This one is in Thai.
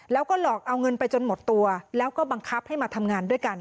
แล้วก็หลอกเอาเงินไปจนหมดตัวแล้วก็บังคับให้มาทำงานด้วยกัน